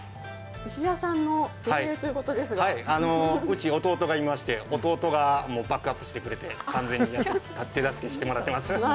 うち、弟がいまして、弟がバックアップしてくれて完全に手助けしてもらっています。